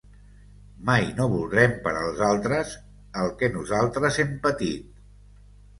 Mai no voldrem per als altres el que nosaltres hem patit.